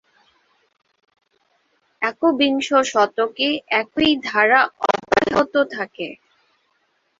একবিংশ শতকে একই ধারা অব্যাহত থাকে।